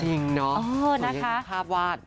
จริงเนาะสวยอย่างภาพวาด